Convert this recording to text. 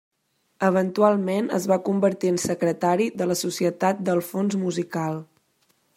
Eventualment es va convertir en secretari de la Societat del Fons Musical.